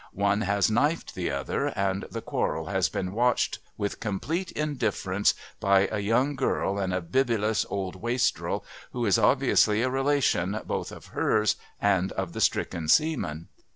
One has "knifed" the other, and the quarrel has been watched, with complete indifference, by a young girl and a bibulous old wastrel who is obviously a relation both of hers and of the stricken seaman.